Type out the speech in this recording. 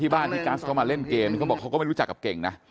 บ้านที่กัสเขามาเล่นเกมเขาบอกเขาก็ไม่รู้จักกับเก่งนะ